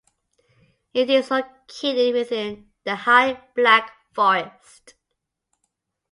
It is located within the High Black Forest.